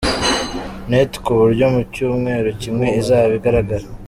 net ku buryo mu cyumweru kimwe izaba igaragara.